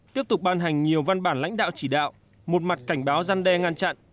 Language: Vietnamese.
tiếp tục ban hành nhiều văn bản lãnh đạo chỉ đạo một mặt cảnh báo gian đe ngăn chặn